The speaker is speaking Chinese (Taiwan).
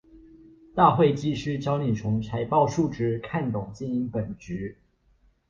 大會計師教你從財報數字看懂經營本質